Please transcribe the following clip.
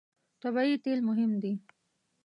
طبیعي تېل مهم دي.